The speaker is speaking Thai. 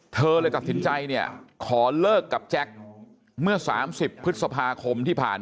เธอเลยตัดสินใจเนี่ยขอเลิกกับแจ็คเมื่อ๓๐พฤษภาคมที่ผ่าน